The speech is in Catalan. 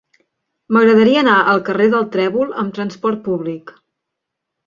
M'agradaria anar al carrer del Trèvol amb trasport públic.